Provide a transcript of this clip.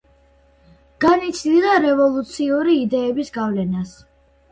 განიცდიდა რევოლუციური იდეების გავლენას.